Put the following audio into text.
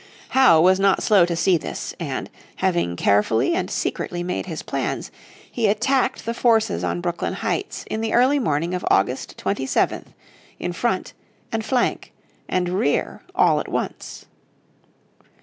Howe was not slow to see this, and, having carefully and secretly made his plans, he attacked the forces on Brooklyn Heights in the early morning of August 27th in front, and flank, and rear, all at once.